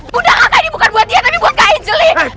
bunda kakak ini bukan buat dia tapi buat kak angelie